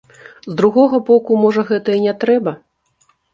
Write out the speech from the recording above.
З другога боку, можа, гэта і не трэба?